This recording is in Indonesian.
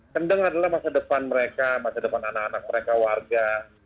kendeng adalah masa depan mereka masa depan anak anak mereka warga